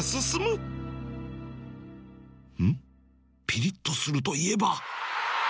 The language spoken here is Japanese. ピリッとするといえば